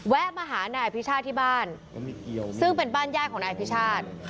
แวะมาหานายอภิชาชที่บ้านซึ่งเป็นบ้านย่ายของนายอภิชาช